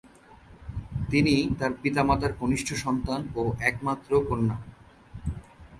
তিনি তার পিতামাতার কনিষ্ঠ সন্তান ও একমাত্র কন্যা।